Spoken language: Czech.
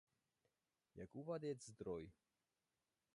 Jak uvádět zdroj?